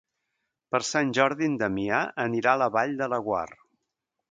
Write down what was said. Per Sant Jordi en Damià anirà a la Vall de Laguar.